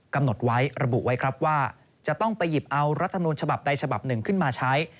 กำหนดไว้ระบุไว้ครับว่าจะต้องไปหยิบเอารัฐมนูลฉบับใดฉบับหนึ่งขึ้นมาใช้